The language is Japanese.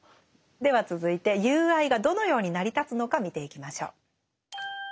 では続いて友愛がどのように成り立つのか見ていきましょう。